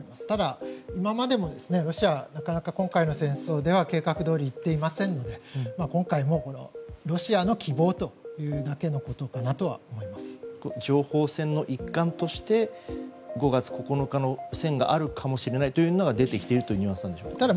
ただ今までもロシアはなかなか今回の戦争では計画どおりいっていませんので今回もロシアの希望というだけのことかと情報戦の一環として５月９日の線があるかもしれないという見方が出てきているというニュアンスでしょうか。